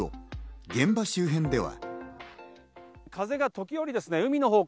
現場周辺では。